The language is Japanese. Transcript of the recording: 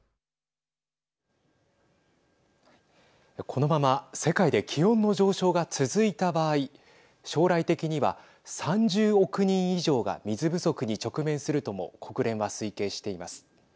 このまま世界で気温の上昇が続いた場合将来的には３０億人以上が水不足に直面するとも国連は推計しています。